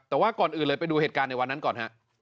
แต่ว่าก่อนอื่นเลยไปดูเหตุการณ์ในวันนั้นก่อนฮะ